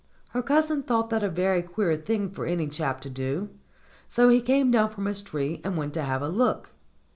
Her cousin thought that a very queer thing for any chap to do, so he came down from his tree and went to have a look.